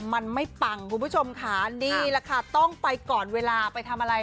มันไม่ปังคุณผู้ชมค่ะนี่แหละค่ะต้องไปก่อนเวลาไปทำอะไร